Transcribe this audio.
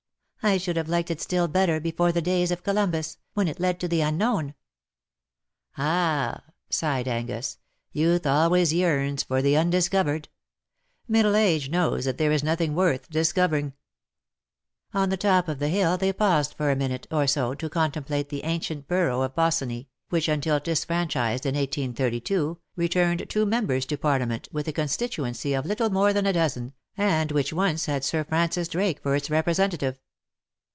I should have liked it still better before the days of Columbus J when it led to the unknown V^ '' Ah !" sighed Angus^ ^^ youth alway yearns for the undiscovered. Middle age knows that there is nothing worth discovering V^ On the top of the hill they paused for a minute or so to contemplate the ancient Borough of Bossiney, which^ until disfranchised in 1832^ re turned two members to Parliament^ with a con stituency of little more than a dozen^ and which once had Sir Francis Drake for its representative.